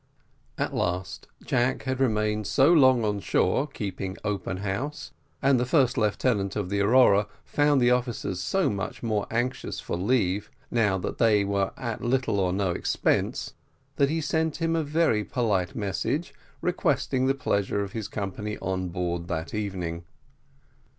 At last Jack had remained so long on shore, keeping open house, and the first lieutenant of the Aurora found the officers so much more anxious for leave, now that they were at little or no expense, that he sent him a very polite message, requesting the pleasure of his company on board that evening.